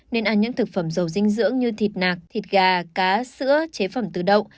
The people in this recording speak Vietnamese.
nên ăn những thực phẩm dầu dinh dưỡng như thịt nạc thịt gà cá sữa chế phẩm tự động